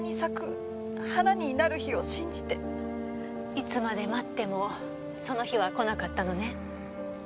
いつまで待ってもその日は来なかったのね？